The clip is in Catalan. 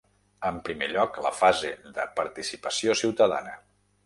En primer lloc, la fase de participació ciutadana.